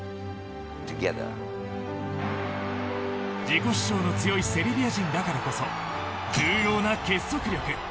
自己主張の強いセルビア人だからこそ重要な結束力。